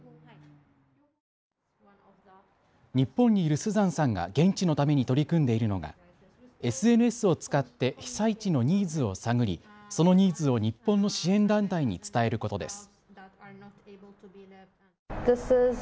日本にいるスザンさんが現地のために取り組んでいるのがＳＮＳを使って被災地のニーズを探りそのニーズを日本の支援団体に伝えることです。